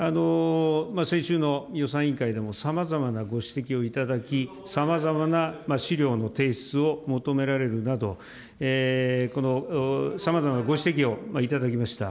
先週の予算委員会でもさまざまなご指摘をいただき、さまざまな資料の提出を求められるなど、さまざまなご指摘をいただきました。